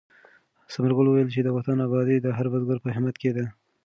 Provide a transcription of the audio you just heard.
ثمر ګل وویل چې د وطن ابادي د هر بزګر په همت کې ده.